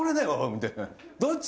みたいな。